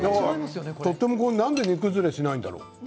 なんで煮崩れしないんだろう。